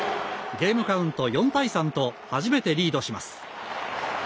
ゲームカウント４対３と初めてリードします。